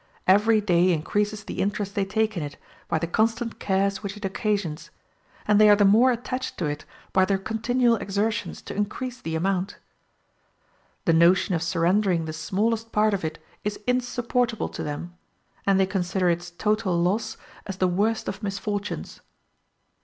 Every day increases the interest they take in it, by the constant cares which it occasions; and they are the more attached to it by their continual exertions to increase the amount. The notion of surrendering the smallest part of it is insupportable to them, and they consider its total loss as the worst of misfortunes.